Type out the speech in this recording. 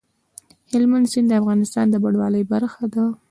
هلمند سیند د افغانستان د بڼوالۍ برخه ده.